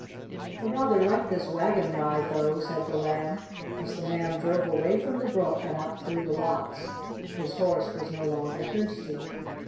"I rather like this wagon ride, though," said the Lamb, as the man drove away from the brook and up through the lots. His horse was no longer thirsty.